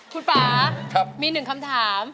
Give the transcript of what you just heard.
คุณป่ามี๑คำถาม